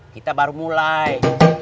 kita baru mulai